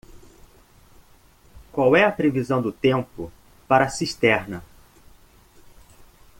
Qual é a previsão do tempo para Cisterna?